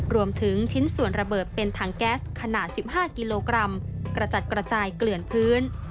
รวมถึงชิ้นส่วนระเบิดเป็นถังแก๊สขนาด๑๕กิโลกรัมกระจัดกระจายเกลื่อนพื้น